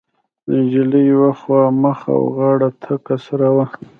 د نجلۍ يوه خوا مخ او غاړه تکه سره وه.